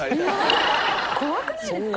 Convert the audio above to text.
怖くないですか？